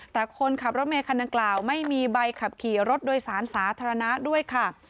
แต่คนขับรถเมคันดังกล่าวไม่มีใบขับขี่รถโดยสารสาธารณะด้วยค่ะ